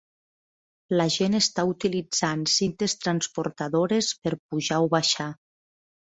La gent està utilitzant cintes transportadores per pujar o baixar.